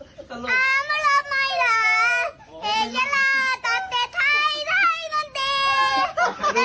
สลัดมะเรือนยกเป็นชาติชาติบุรี